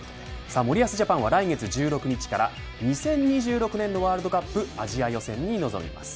森保ジャパンは来月１６日から２０２６年のワールドカップアジア予選に臨みます。